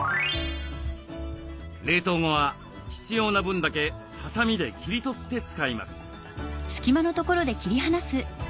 冷凍後は必要な分だけハサミで切り取って使います。